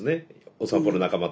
お散歩の仲間と。